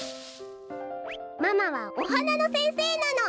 ママはおはなのせんせいなの。